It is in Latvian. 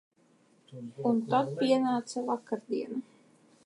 Un tad pienāca vakardiena.